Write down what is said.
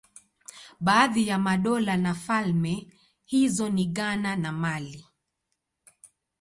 Baadhi ya madola na falme hizo ni Ghana na Mali.